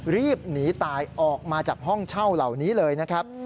รีบหนีตายออกมาจากห้องเช่าเหล่านี้เลยนะครับ